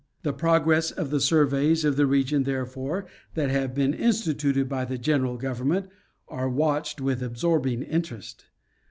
The progress of the surveys of the region, therefore, that have been instituted by the general government, are watched with absorbing interest.